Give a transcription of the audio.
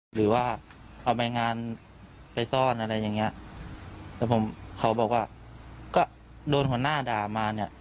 หรือว่าเอาใบงานไปซ่อนอะไรอย่างเงี้ยแล้วผมเขาบอกว่าก็โดนหัวหน้าด่ามาเนี่ย